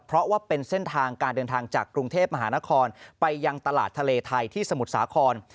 เพราะว่าเป็นเส้นทางการเดินทางจากกรุงเทพมหานครไปยังตลาดทะเลไทยที่สมุทรสาคร